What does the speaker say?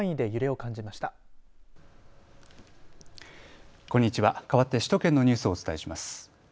かわって首都圏のニュースをお伝えします。